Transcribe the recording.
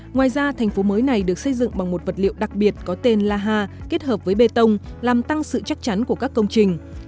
ngoài ra thành phố mới này được xây dựng bằng một vật liệu đặc biệt có tên laha kết hợp với bê tông làm tăng sự chắc chắn của các công trình